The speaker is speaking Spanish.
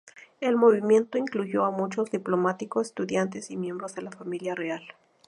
El movimiento incluyó a muchos diplomáticos, estudiantes, y miembros de la familia real.